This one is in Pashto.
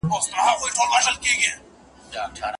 که ته خپله املا اصلاح کړې نو پوهه دې زیاتېږي.